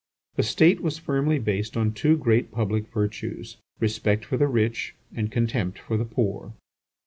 The State was firmly based on two great public virtues: respect for the rich and contempt for the poor.